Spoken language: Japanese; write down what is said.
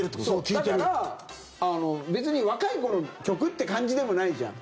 だから別に、若い頃の曲って感じでもないじゃん。